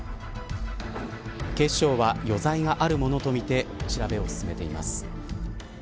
警視庁は余罪があるものとみて調べを進めています。